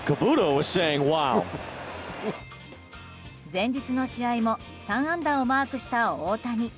前日の試合も３安打をマークした大谷。